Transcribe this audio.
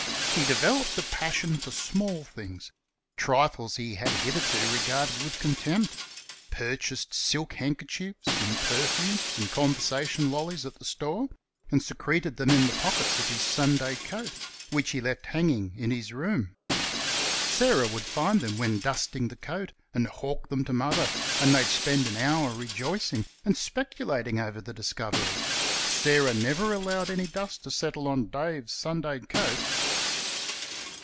He developed a passion for small things trifles he had hitherto regarded with contempt, purchased silk handkerchiefs and perfume and conversation lollies at the store, and secreted them in the pockets of his Sunday coat, which he left hanging in his room. Sarah would find them when dusting the coat and hawk them to Mother, and they'd spend an hour rejoicing and speculating over the discovery. Sarah never allowed any dust to settle on Dave's Sunday coat.